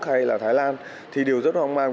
hay là thái lan thì điều rất hoang mang